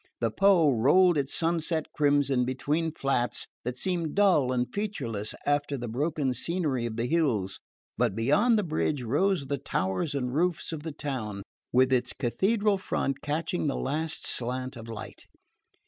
The Po rolled its sunset crimson between flats that seemed dull and featureless after the broken scenery of the hills; but beyond the bridge rose the towers and roofs of the town, with its cathedral front catching the last slant of light.